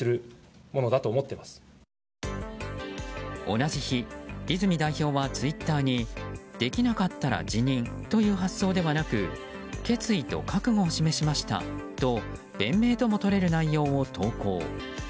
同じ日、泉代表はツイッターにできなかったら辞任という発想ではなく決意と覚悟を示しましたと弁明ともとれる内容を投稿。